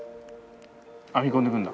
編み込んでいくんだ。